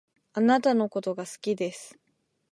貴方のことが好きです